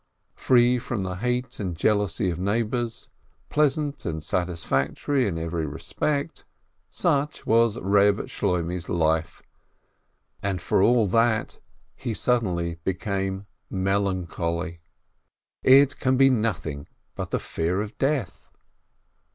Free from the hate and jealousy of neighbors, pleasant and satisfactory in every respect, such was Reb Shloimeh's life, and for all that he suddenly became melancholy ! It can be nothing but the fear of death